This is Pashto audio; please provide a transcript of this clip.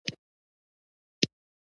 هغه په دې پیسو پانګونه کوي